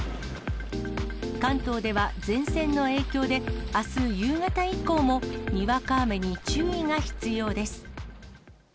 関東では前線の影響であす夕方以降もにわか雨に注意が必要です。